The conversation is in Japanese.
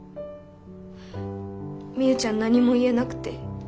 みゆちゃん何も言えなくて。